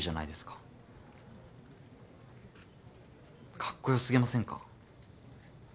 かっこよすぎませんか？